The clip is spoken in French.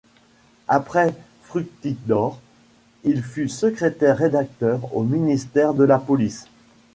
Après fructidor, il fut secrétaire-rédacteur au ministère de la police.